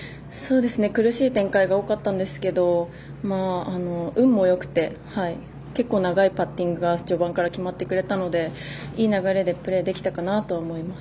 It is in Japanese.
苦しい展開が多かったんですけど運もよくて結構長いパッティングが序盤から決まってくれたのでいい流れでプレーできたかなと思います。